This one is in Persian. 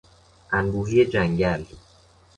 انبوهی جنگل